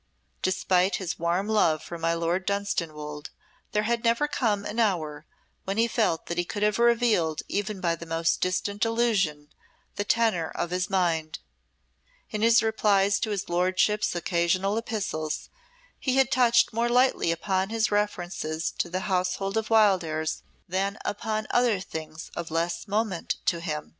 Despite his warm love for my Lord Dunstanwolde there had never come an hour when he felt that he could have revealed even by the most distant allusion the tenor of his mind. In his replies to his lordship's occasional epistles he had touched more lightly upon his references to the household of Wildairs than upon other things of less moment to him.